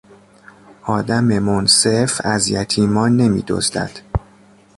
آدم منصف از یتیمان نمیدزدد.